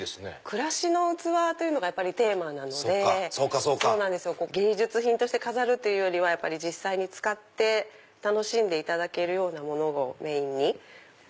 「暮らしのうつわ」というのがテーマなので芸術品として飾るというよりは実際に使って楽しんでいただけるようなものをメインに。